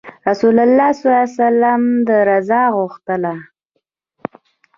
رسول الله ﷺ الله رضا غوښتله.